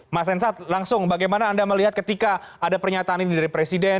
mas ensat langsung bagaimana anda melihat ketika ada pernyataan ini dari presiden